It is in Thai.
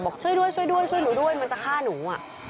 ช่วยด้วยช่วยด้วยช่วยหนูด้วยมันจะฆ่าหนู